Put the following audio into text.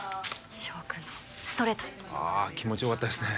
翔君のストレートああ気持ちよかったですね